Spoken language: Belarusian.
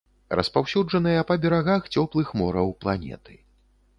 Распаўсюджаныя па берагах цёплых мораў планеты.